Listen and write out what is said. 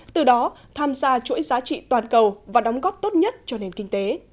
từ đó tham gia chuỗi giá trị toàn cầu và đóng góp tốt nhất cho nền kinh tế